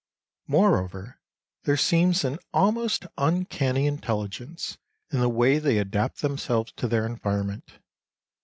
Moreover, there seems an almost uncanny intelligence in the way they adapt themselves to their environment.